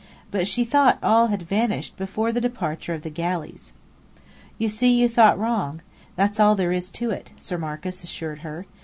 But she thought all had vanished before the departure of the galleys. "You see you thought wrong. That's all there is to it," Sir Marcus assured her.